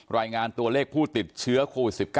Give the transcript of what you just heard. รายงานตัวเลขผู้ติดเชื้อโควิด๑๙